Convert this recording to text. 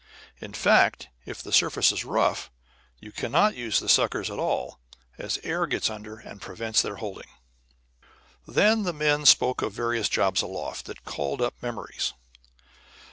In fact, if the surface is rough you cannot use the suckers at all, as the air gets under and prevents their holding. Then the men spoke of various jobs aloft that called up memories.